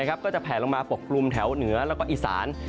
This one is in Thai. ก็จะแผลลงมาปกกลุ่มแถวเหนือแล้วก็อีสาน